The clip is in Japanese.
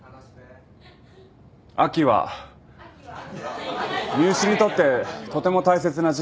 入試にとってとても大切な時期です。